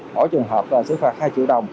mỗi trường hợp xử phạt hai triệu đồng